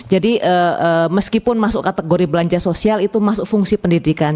jadi meskipun masuk kategori belanja sosial itu masuk fungsi pendidikan